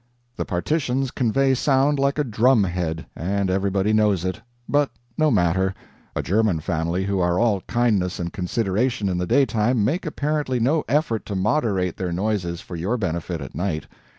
The partitions convey sound like a drum head, and everybody knows it; but no matter, a German family who are all kindness and consideration in the daytime make apparently no effort to moderate their noises for your benefit at night.